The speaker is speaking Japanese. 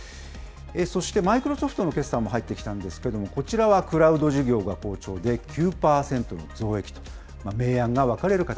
そしてマイクロソフトの決算も入ってきたんですけれども、こちらはクラウド事業が好調で、９％の増益と。